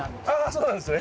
そうなんですね。